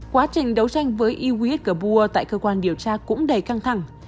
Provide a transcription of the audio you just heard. quá trình đấu tranh với iwis kabua tại cơ quan điều tra cũng đầy căng thẳng